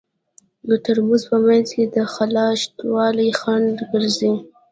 د ترموز په منځ کې د خلاء شتوالی خنډ ګرځي.